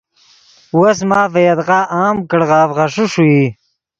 وس ماف ڤے یدغا عام کڑغف غیݰے ݰوئی